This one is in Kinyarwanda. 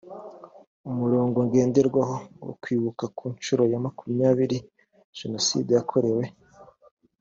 umurongo ngenderwaho wo kwibuka ku nshuro ya makumyabiri jenoside yakorewe